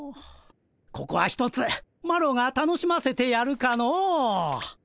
ここはひとつマロが楽しませてやるかの。